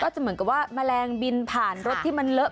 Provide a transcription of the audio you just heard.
จะเหมือนกับว่าแมลงบินผ่านรถที่มันเลอะ